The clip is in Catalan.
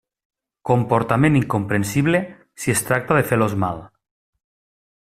Comportament incomprensible si es tracta de fer-los mal.